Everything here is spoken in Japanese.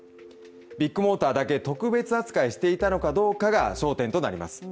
ビッグモーターだけ特別扱いしていたかどうかが焦点となります。